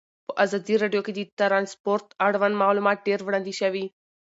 په ازادي راډیو کې د ترانسپورټ اړوند معلومات ډېر وړاندې شوي.